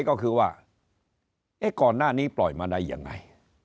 ก็คือว่าเอ๊ะก่อนหน้านี้ปล่อยมาได้ยังไง